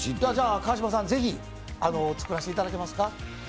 川島さん、是非、作らせていただけますか。